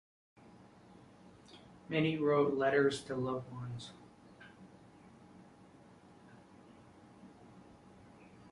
Many wrote letters to loved ones.